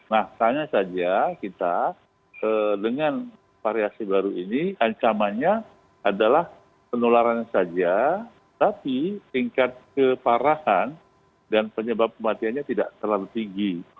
nah tanya saja kita dengan variasi baru ini ancamannya adalah penularannya saja tapi tingkat keparahan dan penyebab kematiannya tidak terlalu tinggi